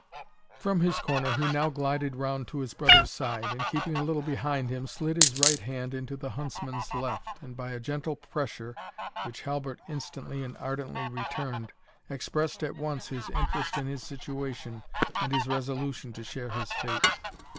From his corner he now glided round to his brother's side, and keeping a little behind him, slid his right hand into the huntsman's left, and by a gentle pressure, which Halbert instantly and ardently returned, expressed at once his interest in his situation, and his resolution to share his fate.